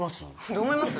どう思います？